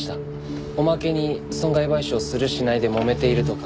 おまけに損害賠償するしないでもめているとか。